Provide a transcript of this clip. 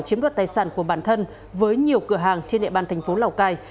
chiếm đoạt tài sản của bản thân với nhiều cửa hàng trên địa bàn thành phố lào cai